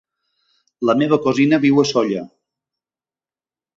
La meva cosina viu a Sóller.